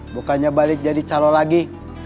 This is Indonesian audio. bukannya balik jadi calon lagi